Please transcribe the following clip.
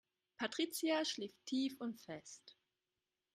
Patricia schläft tief und fest.